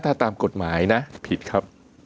ถ้าตามกฎหมายนะผิดครับ